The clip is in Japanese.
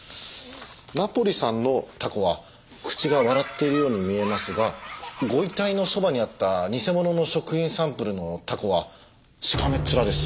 ナポリさんのタコは口が笑っているように見えますがご遺体のそばにあった偽物の食品サンプルのタコはしかめっ面です。